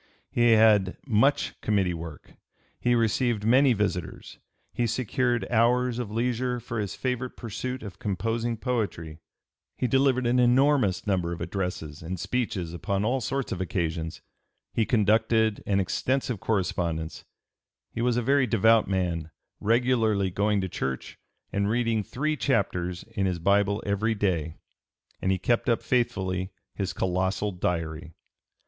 He had much committee work; he received many visitors; he secured hours of leisure for his favorite pursuit of composing poetry; he delivered an enormous number of addresses and speeches upon all sorts of occasions; he conducted an extensive correspondence; he was a very devout man, regularly going to church and reading three chapters in his Bible every day; and he kept up faithfully his colossal Diary.